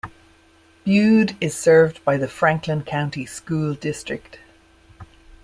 Bude is served by the Franklin County School District.